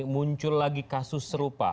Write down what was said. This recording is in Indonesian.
muncul lagi kasus serupa